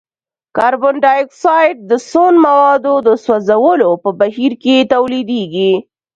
کاربن ډای اکسايډ د سون موادو د سوځولو په بهیر کې تولیدیږي.